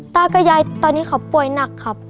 ตากับยายตอนนี้เขาป่วยหนักครับ